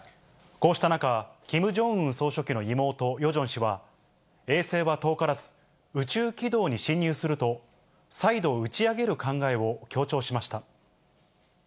こうした中、キム・ジョンウン総書記の妹、ヨジョン氏は、衛星は遠からず、宇宙軌道に進入すると、再度打ち上げる考えを強調しました。